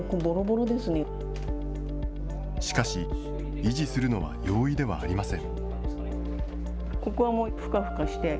しかし、維持するのは容易ではありません。